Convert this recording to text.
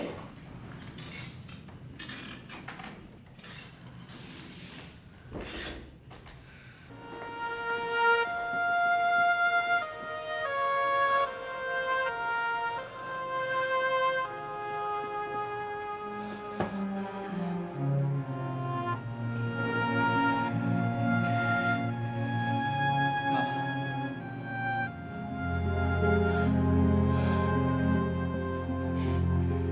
aku tunggu sini sar